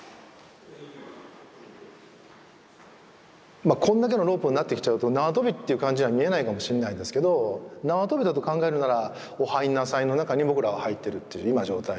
まあこんだけのロープになってきちゃうと縄跳びっていう感じには見えないかもしんないんですけど縄跳びだと考えるなら「お入んなさい」の中に僕らは入ってるって今状態。